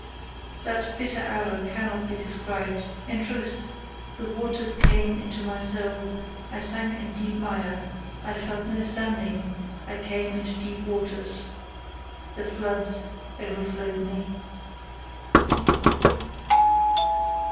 That bitter hour cannot be described: in truth, "the waters came into my soul; I sank in deep mire: I felt no standing; I came into deep waters; the floods overflowed me."